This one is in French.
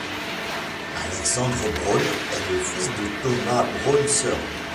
Alexandre Braun est le fils de Thomas Braun Sr.